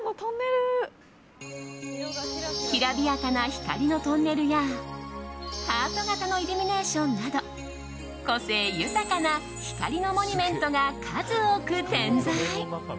きらびやかな光のトンネルやハート形のイルミネーションなど個性豊かな光のモニュメントが数多く点在。